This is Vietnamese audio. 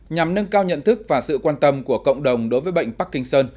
nhằm nâng cao nhận thức và sự quan tâm của cộng đồng đối với bệnh parkinson